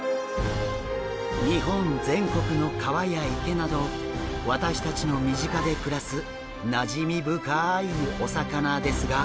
日本全国の川や池など私たちの身近で暮らすなじみ深いお魚ですが。